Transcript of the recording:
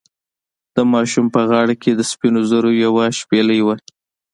د ماشوم په غاړه کې د سپینو زرو یوه شپیلۍ وه.